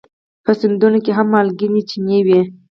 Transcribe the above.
په سیندونو کې هم مالګینې چینې وي.